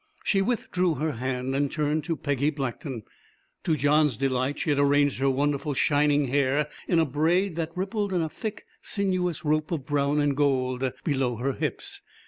She withdrew her hand, and turned to Peggy Blackton. To John's delight she had arranged her wonderful shining hair in a braid that rippled in a thick, sinuous rope of brown and gold below her hips.